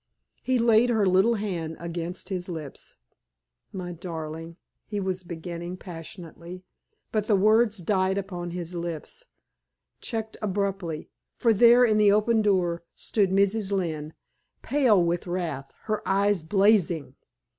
He laid her little hand against his lips. "My darling!" he was beginning, passionately. But the words died upon his lips, checked abruptly; for there in the open door stood Mrs. Lynne, pale with wrath, her eyes blazing.